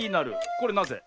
これなぜ？